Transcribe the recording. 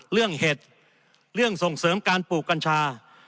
เรื่องเหตุเรื่องส่งเสริมการปลูกกัญชา